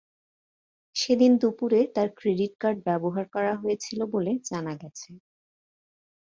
সেদিন দুপুরে তার ক্রেডিট কার্ড ব্যবহার করা হয়েছিল বলে জানা গেছে।